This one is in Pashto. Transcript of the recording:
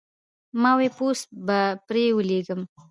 ما وې پوسټ به پرې وليکم